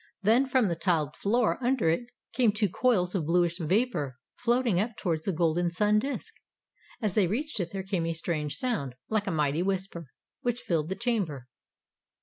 Then from the tiled floor under it came two coils of bluish vapour floating up toward the golden sun disk. As they reached it there came a strange sound, like a mighty whisper, which filled the chamber.